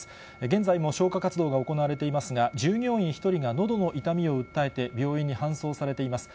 現在も消火活動が行われていますが、従業員１人がのどの痛みを訴えて病院に搬送されています。